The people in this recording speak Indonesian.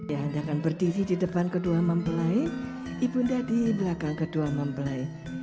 ayah anda akan berdiri di depan kedua mempelai ibu anda di belakang kedua mempelai